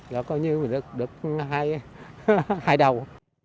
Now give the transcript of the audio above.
rồi coi như mình được hai đầu